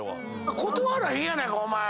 断らへんやないかお前。